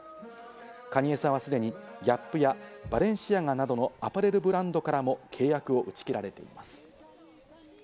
カニエさんはすでに、ＧＡＰやバレンシアガなどのアパレルブランドからの契約を打ち切られています。